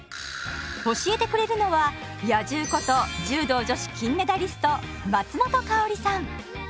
教えてくれるのは「野獣」こと柔道女子金メダリスト松本薫さん。